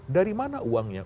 dari mana uangnya